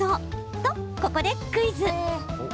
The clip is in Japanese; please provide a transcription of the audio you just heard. と、ここでクイズ！